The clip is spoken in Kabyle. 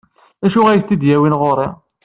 D acu ay t-id-yewwin ɣer-i?